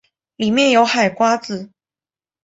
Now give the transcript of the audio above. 里面有海瓜子